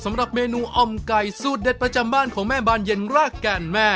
สำหรับเมนูอ่อมไก่สูตรเด็ดประจำบ้านของแม่บานเย็นรากแก่นแม่